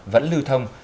vẫn lưu thông